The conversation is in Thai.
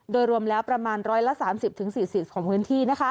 โดยรวมแล้วประมาณ๑๓๐๔๐ของพื้นที่